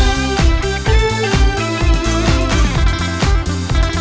รักคนเธอเป็นหลักเธอรู้ไหม